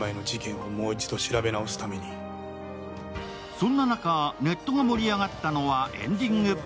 そんな中、ネットが盛り上がったのはエンディング。